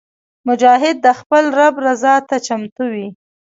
مجاهد د خپل رب رضا ته چمتو وي.